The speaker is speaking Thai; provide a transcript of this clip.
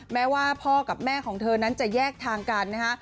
แม้ว่าพ่อกับแม่ของเธอนั้นจะแยกทางกันนะคะ